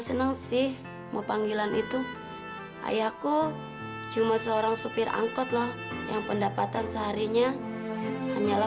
senang sih mau panggilan itu ayahku cuma seorang supir angkot lah yang pendapatan seharinya hanyalah